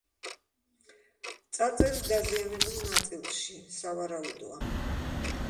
წარწერის დაზიანებულ ნაწილში, სავარაუდოა.